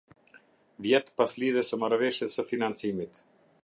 Vjet pas lidhjes së Marrëveshjes së Financimit.